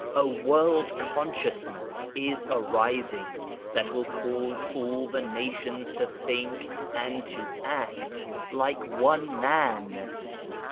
A world consciousness is arising, that will cause all the nations to think and to act like one man.